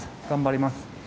頑張ります。